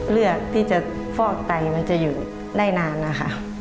เลือกที่จะฟอกไตมันจะอยู่ได้นานนะคะ